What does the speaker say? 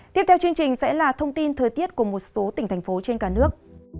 tiếp theo chương trình sẽ là thông tin thời tiết của một số tỉnh thành phố trên cả nước